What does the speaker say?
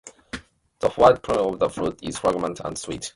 The white pulp of the fruit is fragrant and sweet.